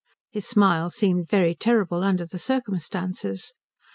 His smile seemed very terrible under the circumstances.